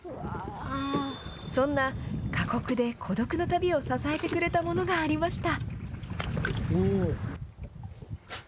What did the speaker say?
そんな、過酷で孤独な旅を支えてくれたものがありました。